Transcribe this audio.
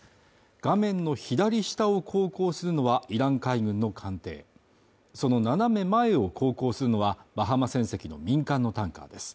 画面の左下を航行するのはイラン海軍の艦艇その斜め前を航行するのは、バハマ船籍の民間のタンカーです。